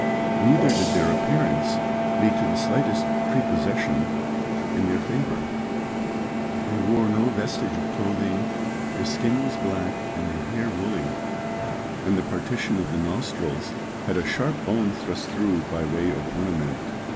Neither did their appearance lead to the slightest prepossession in their favour. They wore no vestige of clothing; their skin was black and their hair woolly; and the partition of the nostrils had a sharp bone thrust through by way of ornament.